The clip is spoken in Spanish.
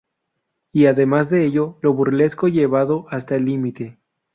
Y además de ello lo burlesco llevado hasta el límite.